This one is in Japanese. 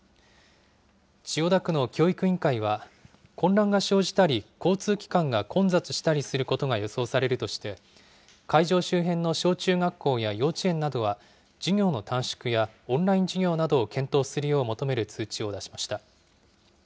千代田区の教育委員会は、混乱が生じたり、交通機関が混雑したりすることが予想されるとして、会場周辺の小中学校や幼稚園などは、授業の短縮やオンライン授業などを検討するよう求める通知を出しました。